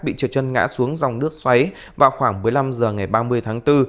bị trượt chân ngã xuống dòng nước xoáy vào khoảng một mươi năm h ngày ba mươi tháng bốn